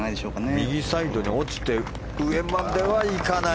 右サイドに落ちて上まではいかない。